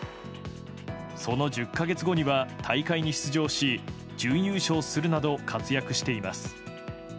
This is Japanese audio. その１０か月後には大会に出場し準優勝するなど活躍しています。